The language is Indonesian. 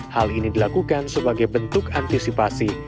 hal ini dilakukan sebagai bentuk antisipasi